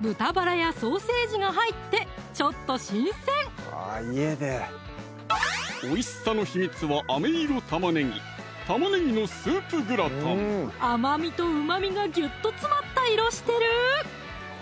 豚バラやソーセージが入ってちょっと新鮮おいしさの秘密はあめ色玉ねぎ甘みとうまみがぎゅっと詰まった色してる！